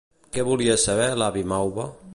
Què volia saber l'avi Mauva?